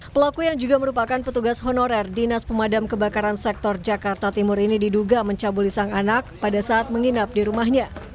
pelaku yang juga merupakan petugas honorer dinas pemadam kebakaran sektor jakarta timur ini diduga mencabuli sang anak pada saat menginap di rumahnya